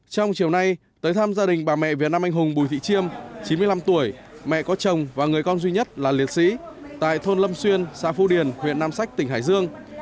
trong chiều nay tới thăm gia đình bà mẹ việt nam anh hùng bùi thị chiêm chín mươi năm tuổi mẹ có chồng và người con duy nhất là liệt sĩ tại thôn lâm xuyên xã phu điền huyện nam sách tỉnh hải dương